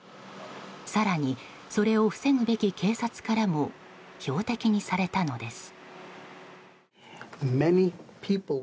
更に、それを防ぐべき警察からも標的にされたのです。